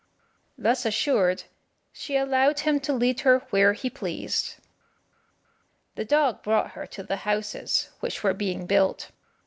Thus assured, she allowed him to lead her where he pleased. The dog brought her to the houses which were being built.